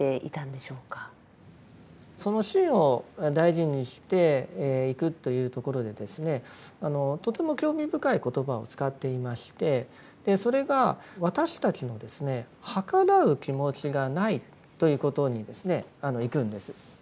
その信を大事にしていくというところでとても興味深い言葉を使っていましてそれが私たちの「はからう気持ちがない」ということにいくんです。